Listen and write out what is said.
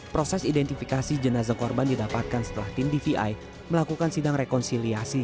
proses identifikasi jenazah korban didapatkan setelah tim dvi melakukan sidang rekonsiliasi